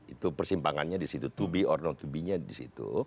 itu persimpangannya di situ to be or not to be nya di situ